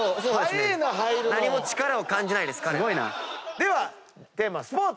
ではテーマスポーツ。